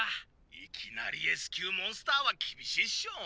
・いきなりＳ級モンスターはきびしいっしょ。